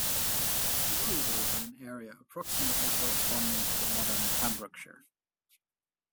He ruled over an area approximately corresponding to the modern Pembrokeshire.